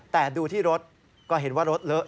แต่ดูที่รถก็เห็นว่ารถเลอะ